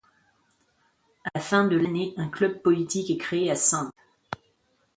À la fin de l’année, un club politique est créé à Saintes.